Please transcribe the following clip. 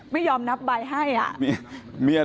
ไม่ยอมนับใบให้อ่ะ